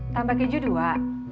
tambah keju dua